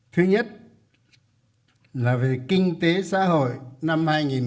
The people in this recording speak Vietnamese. thứ nhất là về kinh tế xã hội năm hai nghìn hai mươi hai nghìn hai mươi một